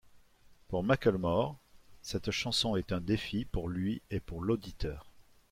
Pour Macklemore, cette chanson est un défi pour lui et pour l'auditeur.